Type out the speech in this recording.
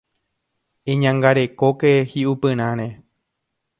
Eñangarekóke hi'upyrãre.